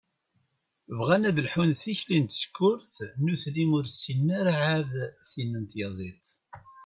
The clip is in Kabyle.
Bɣan ad lḥun tikli n tsekkurt, nutni ur ssinen ara ɛad tin n tyaziḍt.